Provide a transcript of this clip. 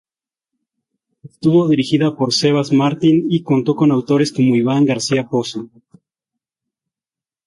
Estuvo dirigida por Sebas Martín y contó con autores como Iván García Pozo.